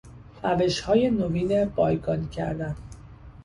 روشهای نوین بایگانی کردن